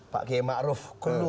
pak y ma'ruf